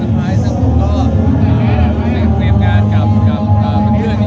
มันจะคืนเป็นอย่างไรบ้างหรือว่ามายังไง